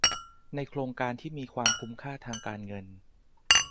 ในโครงการที่มีความคุ้มค่าทางการเงิน